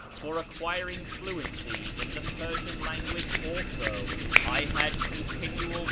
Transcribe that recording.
For acquiring fluency in the Persian language also I had continual ^\ 264